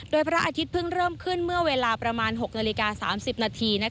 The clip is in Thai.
โดยพระอาทิตย์เพิ่งเริ่มขึ้นเมื่อเวลาประมาณ๖นาฬิกา๓๐นาที